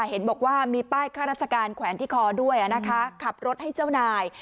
เห็นบอกว่ามีป้ายข้าราชการแขวนที่คอด้วยนะคะขับรถให้เจ้านาย